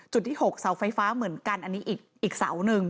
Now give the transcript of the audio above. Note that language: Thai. ที่๖เสาไฟฟ้าเหมือนกันอันนี้อีกเสาหนึ่ง